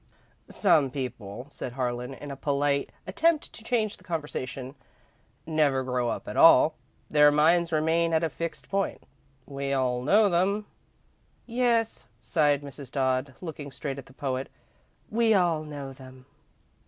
"Some people," said Harlan, in a polite attempt to change the conversation, "never grow up at all. Their minds remain at a fixed point. We all know them." "Yes," sighed Mrs. Dodd, looking straight at the poet, "we all know them."